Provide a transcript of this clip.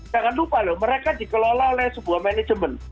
jangan lupa loh mereka dikelola oleh sebuah manajemen